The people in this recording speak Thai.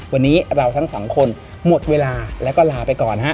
วันนี้เราทั้งสองคนหมดเวลาแล้วก็ลาไปก่อนฮะ